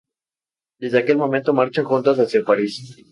Desde aquel momento marchan juntos hacia París.